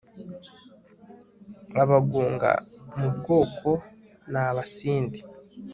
abagunga mu bwoko ni abasindi